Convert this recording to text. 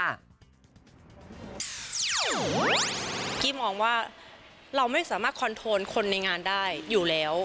กี้มองว่าเราไม่สามารถคอนโทนคนในงานได้อยู่แล้ว